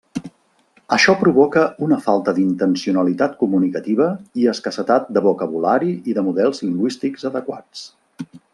Això provoca una falta d'intencionalitat comunicativa i escassetat de vocabulari i de models lingüístics adequats.